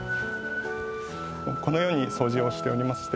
このようにそうじをしておりまして。